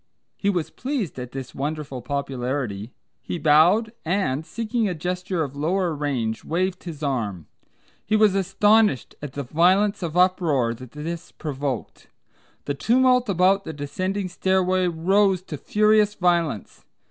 He was pleased at his wonderful popularity, he bowed, and, seeking a gesture of longer range, waved his arm. He was astonished at the violence of uproar that this provoked. The tumult about the descending stairway rose to furious violence.